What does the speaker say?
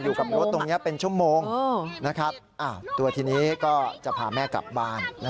อยู่กับรถตรงนี้เป็นชั่วโมงตัวทีนี้ก็จะพาแม่กลับบ้าน